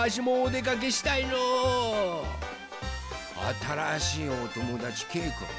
あたらしいおともだちけいくん。